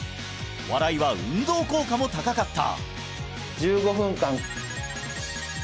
笑いは運動効果も高かった！